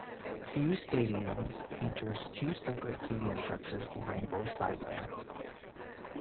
Hughes Stadium features two separate seating structures behind both sidelines.